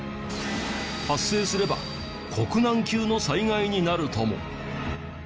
発生すれば国難級の災害になるとも。